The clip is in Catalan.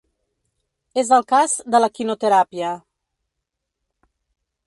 És el cas de l’equinoteràpia.